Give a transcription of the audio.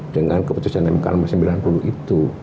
dengan keputusan yang dikatakan sembilan puluh itu